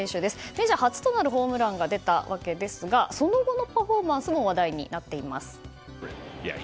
メジャー初となるホームランが出たわけですがその後のパフォーマンスも話題になっています。